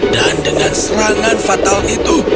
dan dengan serangan fatal itu